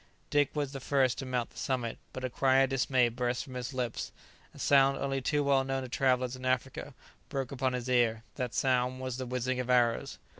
Dick was the first to mount the summit; but a cry of dismay burst from his lips! A sound only too well known to travellers in Africa broke upon his ear; that sound was the whizzing of arrows.